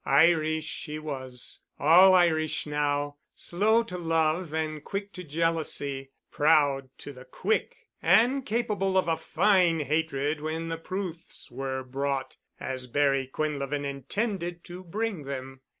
Irish she was—all Irish now—slow to love and quick to jealousy—proud to the quick, and capable of a fine hatred when the proofs were brought as Barry Quinlevin intended to bring them.